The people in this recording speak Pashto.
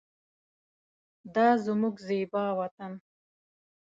دا زمونږ زیبا وطن